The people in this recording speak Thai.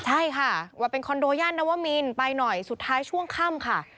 ใช่ค่ะว่าเป็นคอนโดย่านนวมินไปหน่อยสุดท้ายช่วงค่ำค่ะ